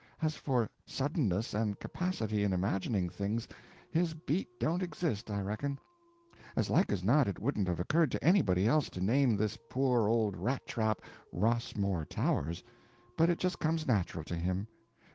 As for suddenness and capacity in imagining things, his beat don't exist, I reckon. As like as not it wouldn't have occurred to anybody else to name this poor old rat trap Rossmore Towers, but it just comes natural to him.